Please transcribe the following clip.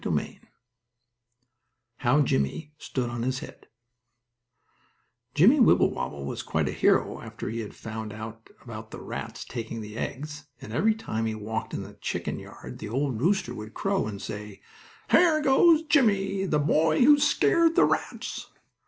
STORY XX HOW JIMMIE STOOD ON HIS HEAD Jimmie Wibblewobble was quite a hero after he had found out about the rats taking the eggs, and every time he walked in the chicken yard the old rooster would crow and say: "There goes Jimmie, the boy who scared the rats."